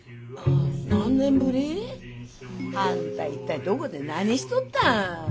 何年ぶり？あんた一体どこで何しとった？